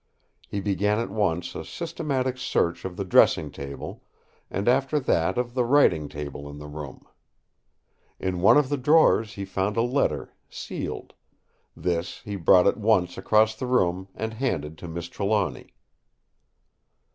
He began at once a systematic search of the dressing table, and after that of the writing table in the room. In one of the drawers he found a letter sealed; this he brought at once across the room and handed to Miss Trelawny.